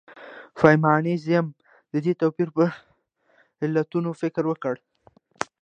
فيمنيزم د دې توپير پر علتونو فکر وکړ.